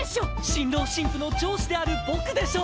新郎新婦の上司である僕でしょ！